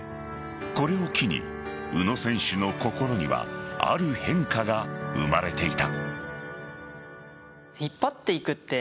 これを機に宇野選手の心にはある変化が生まれていた。